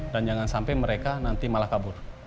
jangan sampai mereka nanti malah kabur